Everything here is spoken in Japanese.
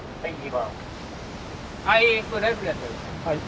はい。